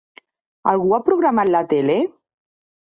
Algú ha programat la tele?